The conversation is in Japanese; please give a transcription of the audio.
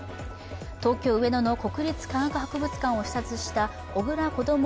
東京・上野の国立科学博物館を視察した小倉こども